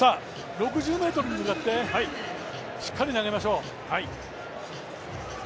６０ｍ狙って、しっかり投げましょう。